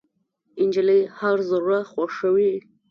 نجلۍ هر زړه خوښوي.